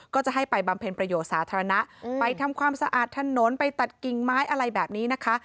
ก็จะให้ไปบำเพ็ญประโยชน์สาธารณะไปทำความสะอาดถนนไปตัดกิ่งไม้อะไรแบบนี้นะคะ